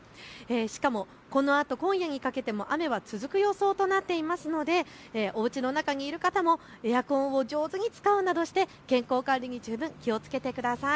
しかもこのあと今夜にかけても雨は続く予想となっていますのでおうちの中にいる方もエアコンを上手に使うなどして健康管理に十分気をつけてください。